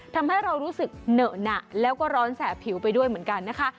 ทำให้เรารู้สึกเหนอะหนักแล้วก็ร้อนแสบผิวไปด้วยเหมือนกันนะคะ